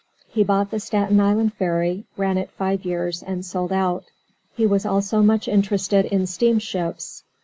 He bought the Staten Island Ferry, ran it five years, and sold out. He was also much interested in steam ships.